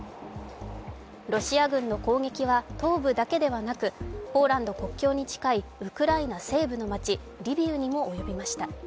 ロシア軍の攻撃は東部だけではなくポーランド国境に近いウクライナ西部の街、リビウにも及びました。